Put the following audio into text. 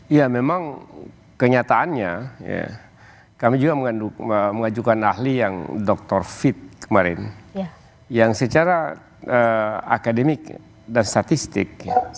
ya memang kenyataannya kami juga mengajukan ahli yang dokter fit kemarin yang secara akademik dan statistik